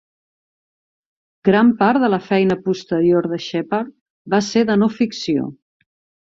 Gran part de la feina posterior de Shepard va ser de no ficció.